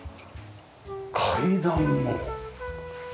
階段も。